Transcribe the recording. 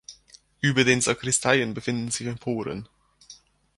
Über den Sakristeien befinden sich Emporen.